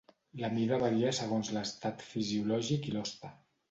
La mida varia segons l'estat fisiològic i l'hoste.